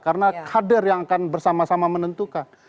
karena kader yang akan bersama sama menentukan